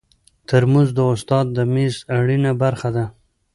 ترموز د استاد د میز اړینه برخه ده.